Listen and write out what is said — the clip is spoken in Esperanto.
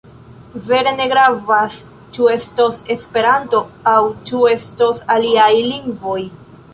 Vere ne gravas ĉu estos Esperanto aŭ ĉu estos aliaj lingvoj.